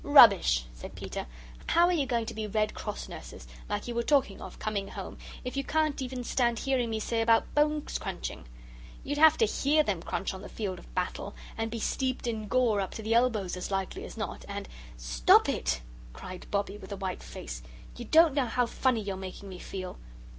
"Rubbish!" said Peter. "How are you going to be Red Cross Nurses, like you were talking of coming home, if you can't even stand hearing me say about bones crunching? You'd have to HEAR them crunch on the field of battle and be steeped in gore up to the elbows as likely as not, and " "Stop it!" cried Bobbie, with a white face; "you don't know how funny you're making me feel."